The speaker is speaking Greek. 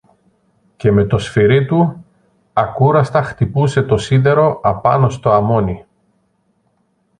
Και με το σφυρί του, ακούραστα χτυπούσε το σίδερο απάνω στο αμόνι.